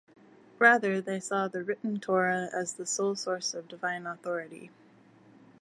Rather, they saw the written Torah as the sole source of divine authority.